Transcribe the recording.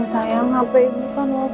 jangan khawatir kamu